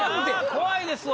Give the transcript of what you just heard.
怖いですわ！